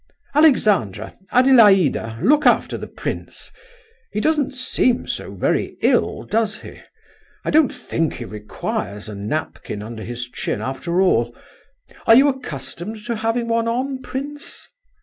Alexandra, Adelaida, look after the prince! He doesn't seem so very ill, does he? I don't think he requires a napkin under his chin, after all; are you accustomed to having one on, prince?"